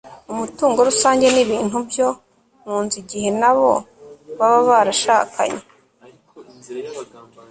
umutungo rusange n'ibintu byo mu nzu igihe nabo baba barashakanye